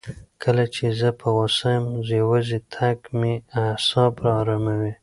کله چې زه په غوسه یم، یوازې تګ مې اعصاب اراموي.